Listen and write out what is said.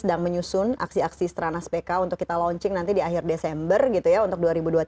sedang menyusun aksi aksi stranas pk untuk kita launching nanti di akhir desember gitu ya untuk